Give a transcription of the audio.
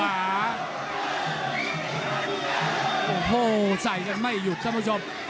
โอ้โหใส่กันไม่หยุดท่านผู้ชม